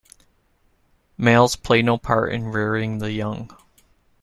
Males play no part in rearing the young.